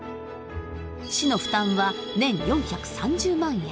市の負担は年４３０万円。